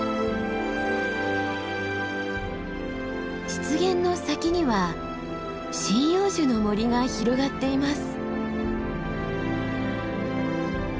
湿原の先には針葉樹の森が広がっています。